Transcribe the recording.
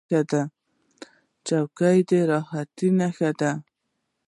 چوکۍ د راحت نښه ده.